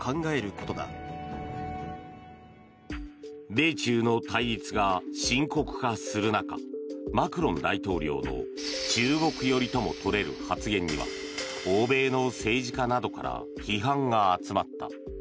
米中の対立が深刻化する中マクロン大統領の中国寄りともとれる発言には欧米の政治家などから批判が集まった。